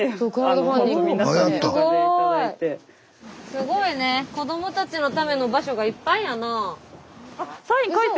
すごいね子どもたちのための場所がいっぱいやなあ。